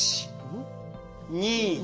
２。